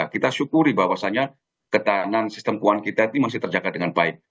kita syukuri bahwasannya ketahanan sistem keuangan kita ini masih terjaga dengan baik